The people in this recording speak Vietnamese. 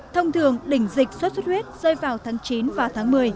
thông thường đỉnh dịch sốt xuất huyết rơi vào tháng chín và tháng một mươi